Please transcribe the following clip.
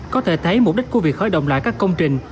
có thể thấy mục đích của việc khởi động lại các công trình